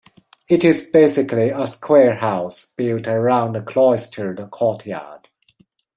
It is basically a square house built around a cloistered courtyard.